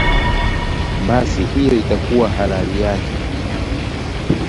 basi hiyo itakuwa halali yake